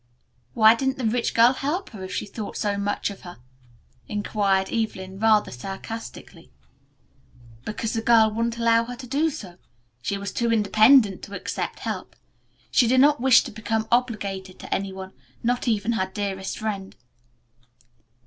"Why didn't the rich girl help her if she thought so much of her?" inquired Evelyn rather sarcastically. "Because the girl wouldn't allow her to do so. She was too independent to accept help. She did not wish to become obligated to any one, not even her dearest friend."